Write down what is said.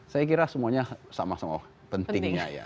saya kira semuanya sama sama pentingnya ya